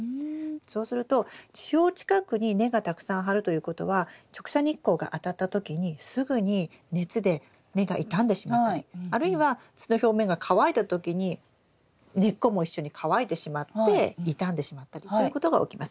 そうすると地表近くに根がたくさん張るということは直射日光があたった時にすぐに熱で根が傷んでしまったりあるいは土の表面が乾いた時に根っこも一緒に乾いてしまって傷んでしまったりということが起きます。